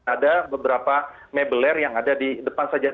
ada beberapa mebeler yang ada di depan saja